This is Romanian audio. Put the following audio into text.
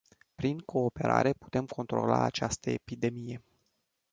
Prin cooperare, putem controla această epidemie.